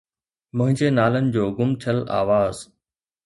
منهنجي نالن جو گم ٿيل آواز